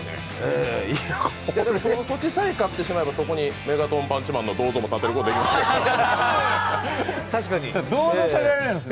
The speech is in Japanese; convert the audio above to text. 土地さえ買ってしまえば、そこにメガトンパンチマンの銅像も立てることができますから。